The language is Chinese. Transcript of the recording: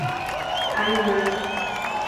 韩永人。